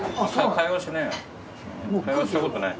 会話したことない。